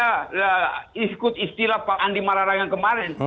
mengikuti istilah pak andi mararangan kemarin